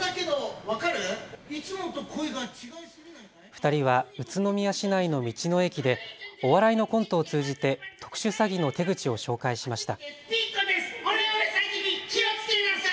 ２人は宇都宮市内の道の駅でお笑いのコントを通じて特殊詐欺の手口を紹介しました。